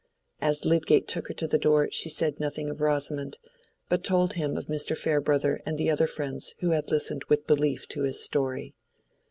As Lydgate took her to the door she said nothing of Rosamond, but told him of Mr. Farebrother and the other friends who had listened with belief to his story.